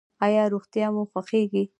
ایا روغتیا مو خوښیږي؟